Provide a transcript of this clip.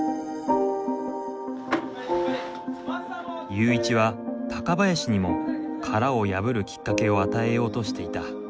ユーイチは高林にも殻を破るきっかけを与えようとしていた。